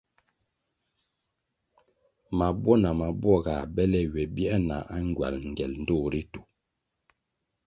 Mabwo na mabuo ga bele ywe bier na angywal ngiel ndtoh ritu.